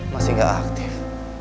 masih gak aktif